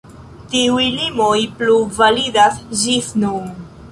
Tiuj limoj plu validas ĝis nun.